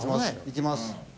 いきます。